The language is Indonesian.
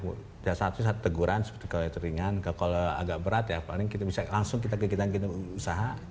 setiap saat itu ada teguran seperti kalau itu ringan kalau agak berat ya paling kita bisa langsung kita gigit gigit usaha